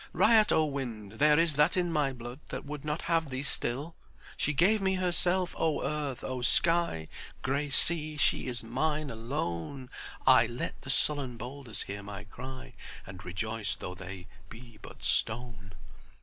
Riot O wind; there is that in my blood That would not have thee still! "She gave me herself, O Earth, O Sky: Grey sea, she is mine alone—I Let the sullen boulders hear my cry, And rejoice tho' they be but stone!